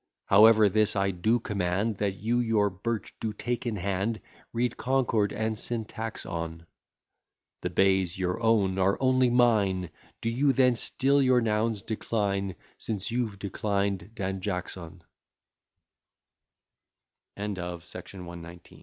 However, this I do command, That you your birch do take in hand, Read concord and syntax on; The bays, your own, are only mine, Do you then still your nouns decline, Since you've declined Dan